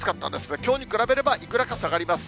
きょうに比べればいくらか下がります。